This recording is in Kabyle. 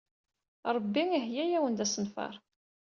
Ṛebbi iheyya-awen-d asenfar.